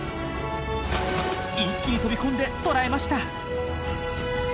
一気に飛び込んで捕らえました！